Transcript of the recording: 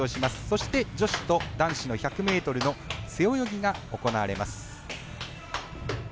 そして、女子と男子の１００ｍの背泳ぎが行われます。